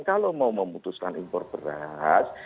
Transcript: kalau mau memutuskan impor beras